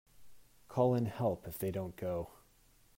Call in help if they don't go.